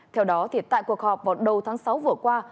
theo đó tại cuộc họp vào đầu tháng sáu vừa qua